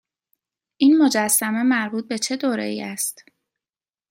این مجسمه مربوط به چه دوره ای است؟